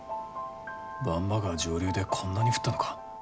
番場川上流でこんなに降ったのか？